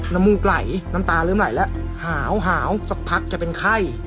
มูกไหลน้ำตาเริ่มไหลแล้วหาวสักพักจะเป็นไข้